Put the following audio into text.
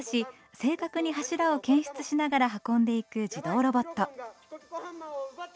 正確に柱を検出しながら運んでいく自動ロボット。